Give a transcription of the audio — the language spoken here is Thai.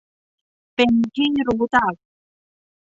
เป็นที่รู้จัก